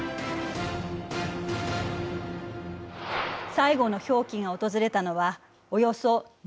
最後の氷期が訪れたのはおよそ７万年前。